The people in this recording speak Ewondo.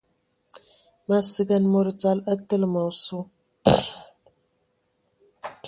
Ma sigan mod dzal a tele ma osu.